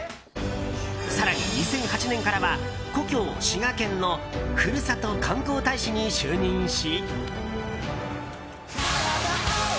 更に、２００８年からは故郷・滋賀県のふるさと観光大使に就任し。